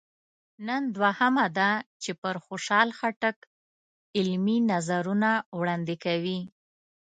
نن دوهمه ده چې پر خوشحال خټک علمي نظرونه وړاندې کوي.